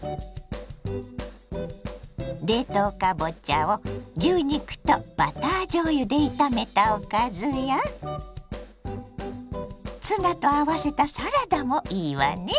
冷凍かぼちゃを牛肉とバターじょうゆで炒めたおかずやツナと合わせたサラダもいいわね。